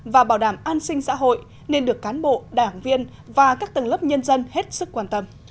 và bảo đảm an sinh xã hội nên được cán bộ đảng viên và các tầng lớp nhân dân hết sức quan tâm